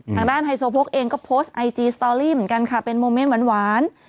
ไฮโซโพกเองก็โพสต์ไอจีสตอรี่เหมือนกันค่ะเป็นโมเมนต์หวาน